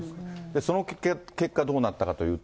その結果どうなったかというと。